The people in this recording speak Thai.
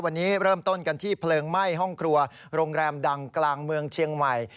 วันนี้เริ่มต้นกันที่เพลิงไหม้ห้องครัวโรงแรมดังกลางเมืองเชียงใหม่